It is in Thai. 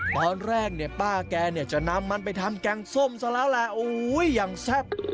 ตอนแรกป้าแกจะนำมันไปทำแกงส้มซะแล้วแหละโอ้โฮอย่างแซ่บ